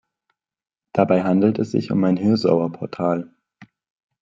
Dabei handelt es sich um ein "Hirsauer Portal".